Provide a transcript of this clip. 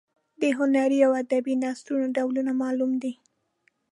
د هنري او ادبي نثرونو ډولونه معلوم دي.